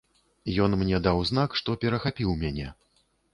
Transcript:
Ён мне даў знак, што перахапіў мяне.